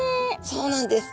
そうなんです。